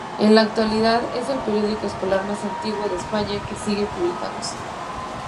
En la actualidad es el periódico escolar más antiguo de España que sigue publicándose.